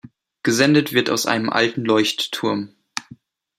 Gesendet wird aus einem alten Leuchtturm.